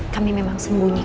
kami memang sembunyikan